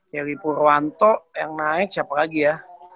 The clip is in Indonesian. yewi purwanto yang naik siapa lagi ya